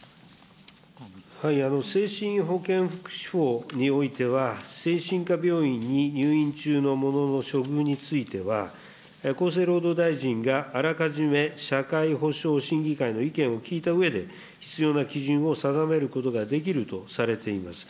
精神保健福祉法においては、精神科病院に入院中の者の処遇については、厚生労働大臣があらかじめ社会保障審議会の意見を聞いたうえで、必要な基準を定めることができるとされています。